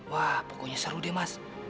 wah pokoknya seru deh mas